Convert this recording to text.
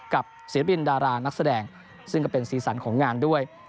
ศิลปินดารานักแสดงซึ่งก็เป็นสีสันของงานด้วย